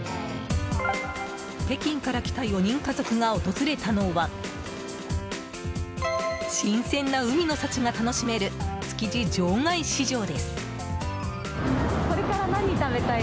北京から来た４人家族が訪れたのは新鮮な海の幸が楽しめる築地場外市場です。